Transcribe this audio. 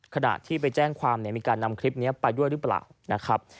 ขณะที่ไปแจ้งความมีการนำคลิปนี้ไปด้วยหรือเปล่านะครับ